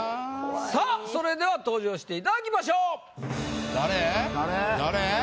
さぁそれでは登場していただきましょう。